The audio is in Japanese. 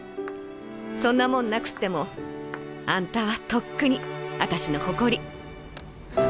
そんなもんなくってもあんたはとっくにあたしの誇り」。